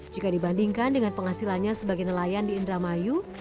jika dibandingkan dengan penghasilannya sebagai nelayan di indramayu